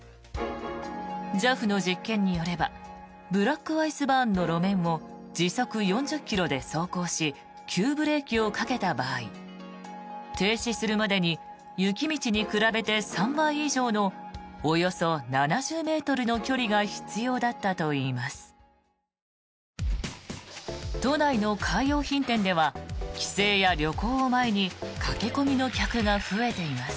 ＪＡＦの実験によればブラックアイスバーンの路面を時速４０ｋｍで走行し急ブレーキをかけた場合停止するまでに雪道に比べて３倍以上のおよそ７０ｍの距離が必要だったといいます。